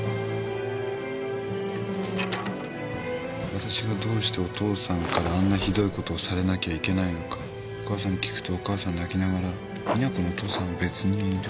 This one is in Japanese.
「私がどうしてお父さんからあんなひどいことをされなきゃいけないのかお母さんに聞くとお母さん泣きながら『実那子のお父さんは別にいる』」